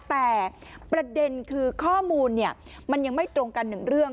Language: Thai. แต่ประเด็นคือข้อมูลมันยังไม่ตรงกันหนึ่งเรื่อง